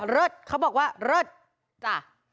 หลวงไทยสร้างชาติจ้ะ